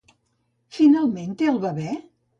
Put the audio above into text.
Finalment té el bebè?